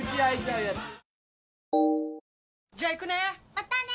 またね！